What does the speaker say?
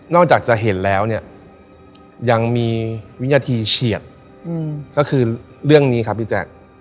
จากจะเห็นแล้วเนี่ยยังมีวินาทีเฉียดก็คือเรื่องนี้ครับพี่แจ๊ค